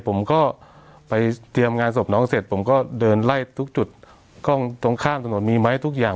ผมก็ไปเตรียมงานศพน้องเสร็จผมก็เดินไล่ทุกจุดกล้องตรงข้ามถนนมีไหมทุกอย่าง